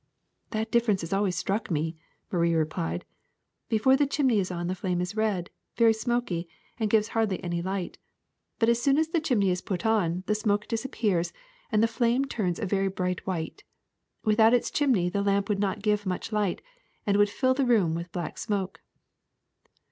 *^That difference has always struck me," Marie replied. ^'Before the chimney is on the flame is red, very smoky, and gives hardly any light; but as soon 140 THE SECRET OF EVERYDAY THINGS as the chimney is put on, the smoke disappears and the flame turns a very bright white. Without its chimney the lamp would not give much light and would fill the room with black smoke."